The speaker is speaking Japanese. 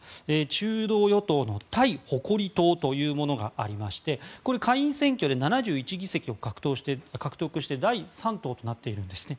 中道与党のタイ誇り党というものがありまして下院選挙で７１議席を獲得して第３党となっているんですね。